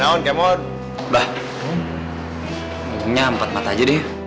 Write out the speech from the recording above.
udah nyam pat mata aja dia